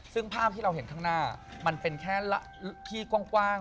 ซึ่งภาพที่เราเห็นข้างหน้ามันเป็นแค่ที่กว้าง